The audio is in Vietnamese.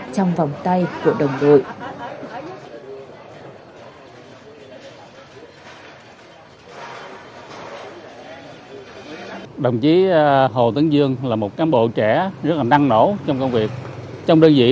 trong vòng tay của đồng đội